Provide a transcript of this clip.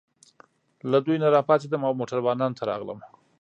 له دوی نه راپاڅېدم او موټروانانو ته راغلم.